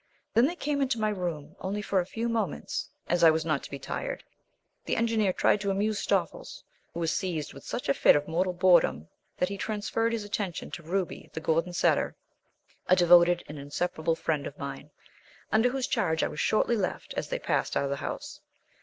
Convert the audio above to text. Then they came into my room, only for a few moments, as I was not to be tired. The Engineer tried to amuse Stoffles, who was seized with such a fit of mortal boredom that he transferred his attentions to Ruby, the Gordon setter, a devoted and inseparable friend of mine, under whose charge I was shortly left as they passed out of the house.